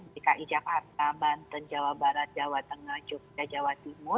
dki jakarta banten jawa barat jawa tengah jogja jawa timur